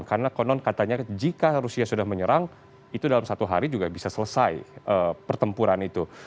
karena konon katanya jika rusia sudah menyerang itu dalam satu hari juga bisa selesai pertempuran itu